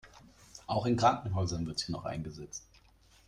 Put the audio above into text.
Auch in Krankenhäusern wird sie noch eingesetzt.